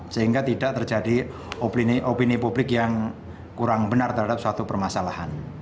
sehingga tidak terjadi opini opini publik yang kurang benar terhadap suatu permasalahan